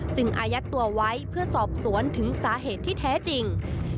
อายัดตัวไว้เพื่อสอบสวนถึงสาเหตุที่แท้จริง